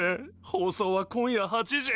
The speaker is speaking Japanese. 放送は今夜８時。